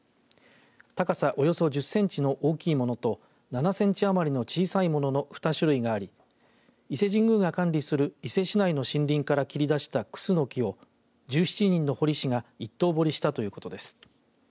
高さおよそ１０センチの大きいものと７センチ余りの小さいものの２種類があり伊勢神宮が管理する伊勢市内の森林から切り出したくすの木を１７人の彫り師が一刀彫りしたということです。